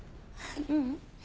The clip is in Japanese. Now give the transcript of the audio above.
ううん。